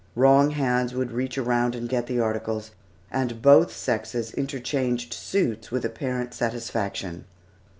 Wrong hands would reach around and get the articles, and both sexes interchanged suits with apparent satisfaction.